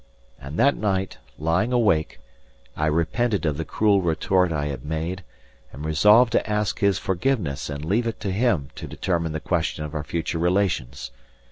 And that night, lying awake, I repented of the cruel retort I had made, and resolved to ask his forgiveness and leave it to him to determine the question of our future relations.